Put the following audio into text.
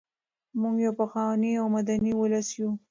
موږ یو پخوانی او مدني ولس یو.